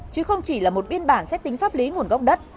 chứ không chỉ là một biên bản xét tính pháp lý nguồn gốc đất